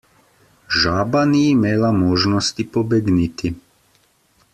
Žaba ni imela možnosti pobegniti.